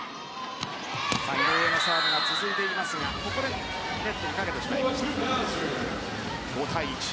井上のサーブが続いていますがネットにかけてしまいました。